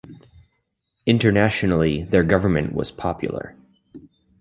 Internationally, their government was popular.